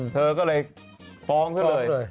เธอก็เลยฟ้องซะเลย